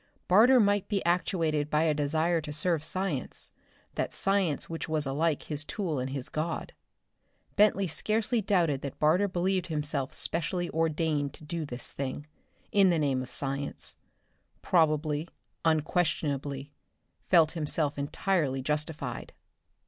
Barter might be actuated by a desire to serve science, that science which was alike his tool and his god. Bentley scarcely doubted that Barter believed himself specially ordained to do this thing, in the name of science; probably, unquestionably, felt himself entirely justified.